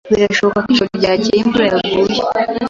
Birashoboka ko ijoro ryakeye imvura yaguye.